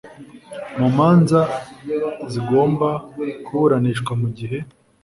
Mu manza zigomba kuburanishwa mu gihe